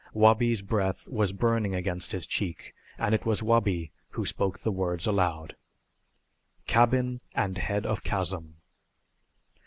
Wabi's breath was burning against his cheek, and it was Wabi who spoke the words aloud. "Cabin and head of chasm."